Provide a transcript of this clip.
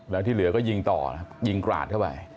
แล้วที่เหลือก็ยิงต่อยิงกราดเข้าไป